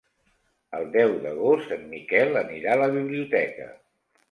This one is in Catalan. El deu d'agost en Miquel anirà a la biblioteca.